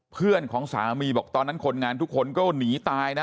เพื่อนของสามีบอกตอนนั้นคนงานทุกคนก็หนีตายนะ